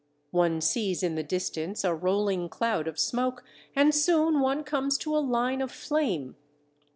One sees in the distance a rolling cloud of smoke, and soon one comes to a line of flame.